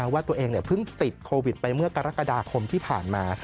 ว่าตัวเองเพิ่งติดโควิดไปเมื่อกรกฎาคมที่ผ่านมา